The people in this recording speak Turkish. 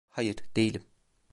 Hayır, değilim.